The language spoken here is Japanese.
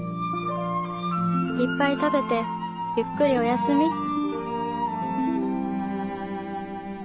いっぱい食べてゆっくりおやすみ」